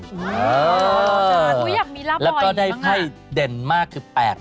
อ๋อจริงอยากมีราบรอยอีกมั้งอ๋อแล้วก็ได้ไพ่เด่นมากคือ๘คาทา